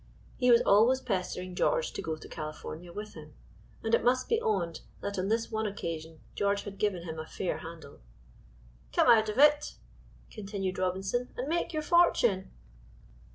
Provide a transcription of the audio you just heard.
He was always pestering George to go to California with him, and it must be owned that on this one occasion George had given him a fair handle. "Come out of it," continued Robinson, "and make your fortune."